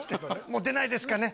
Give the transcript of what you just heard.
もう出ないですかね